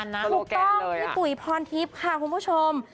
ถูกต้องพี่ปุ๋ยพรทิพย์ค่ะคุณผู้ชม